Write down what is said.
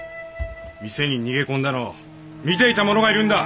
店に逃げ込んだのを見ていたものがいるんだ！